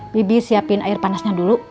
bibi siapin air panasnya dulu